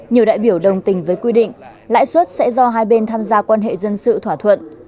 nhiều đại biểu đồng tình với quy định lãi suất sẽ do hai bên tham gia quan hệ dân sự thỏa thuận